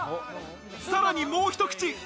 さらに、もうひと口。